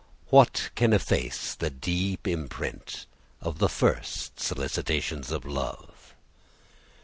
What can efface the deep imprint of the first solicitations of love?